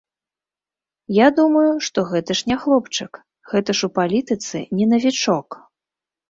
Я думаю, што гэта ж не хлопчык, гэта ж у палітыцы не навічок.